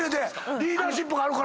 リーダーシップがあるからね。